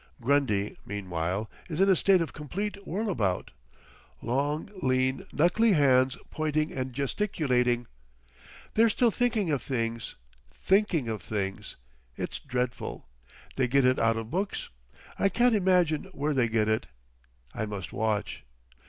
"Grundy, meanwhile, is in a state of complete whirlabout. Long lean knuckly hands pointing and gesticulating! 'They're still thinking of things—thinking of things! It's dreadful. They get it out of books. I can't imagine where they get it! I must watch!